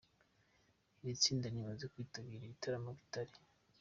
Iri tsinda rimaze kwitabira ibitaramo bitari